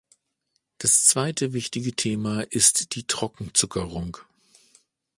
Das zweite wichtige Thema ist die Trockenzuckerung.